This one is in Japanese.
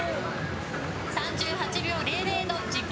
３８秒００の自己